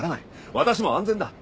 私も安全だ。